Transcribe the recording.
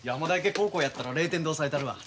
高校やったら０点で抑えたるわ。